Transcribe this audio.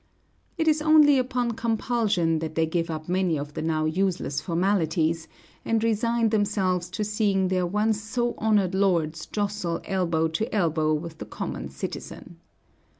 It is only upon compulsion that they give up many of the now useless formalities, and resign themselves to seeing their once so honored lords jostle elbow to elbow with the common citizen.